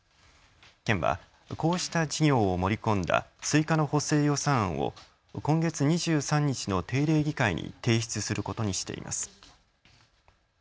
県はこうした事業を盛り込んだ追加の補正予算案を今月２３日の定例議会に提出することにしています。